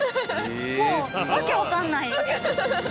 もう訳分かんないです。